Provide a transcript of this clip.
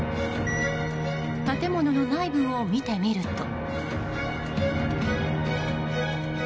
建物の内部を見てみると。